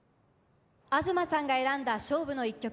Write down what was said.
東さんが選んだ勝負の一曲。